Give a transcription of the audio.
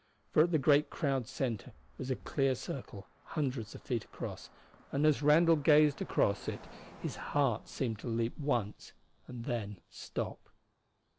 For at the great crowd's center was a clear circle hundreds of feet across, and as Randall gazed across it his heart seemed to leap once and then stop.